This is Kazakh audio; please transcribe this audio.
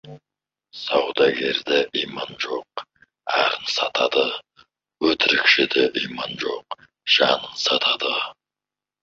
Саудагерде иман жоқ, арын сатады, өтірікшіде иман жоқ, жанын сатады.